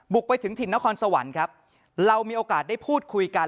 ไปถึงถิ่นนครสวรรค์ครับเรามีโอกาสได้พูดคุยกัน